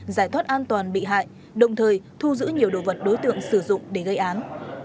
giải thoát an toàn bị hại đồng thời thu giữ nhiều đồ vật đối tượng sử dụng để gây án